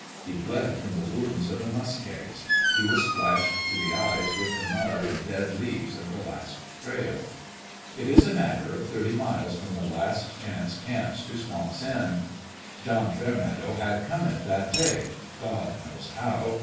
He bled from the wounds of the muskegs : he was splashed to the eyes with the mud and dead leaves of the last trail. It is a matter of thirty miles from the Last Chance camps to Swamp's End. John Fairmeadow had come it that day, God knows how